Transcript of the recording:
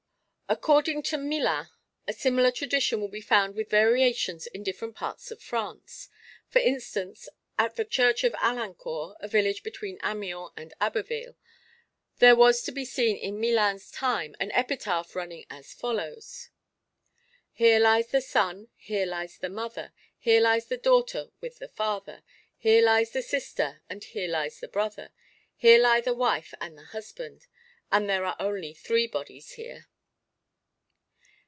According to Millin, a similar tradition will be found with variations in different parts of France. For instance, at the church of Alincourt, a village between Amiens and Abbeville, there was to be seen in Millin's time an epitaph running as follows: "Here lies the son, here lies the mother, Here lies the daughter with the father; Here lies the sister, here lies the brother, Here lie the wife and the husband; And there are only three bodies here."